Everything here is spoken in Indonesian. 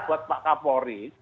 buat pak kapolri